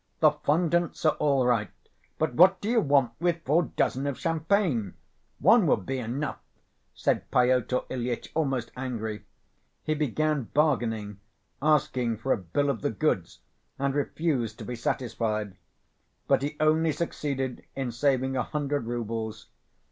"The fondants are all right. But what do you want with four dozen of champagne? One would be enough," said Pyotr Ilyitch, almost angry. He began bargaining, asking for a bill of the goods, and refused to be satisfied. But he only succeeded in saving a hundred roubles.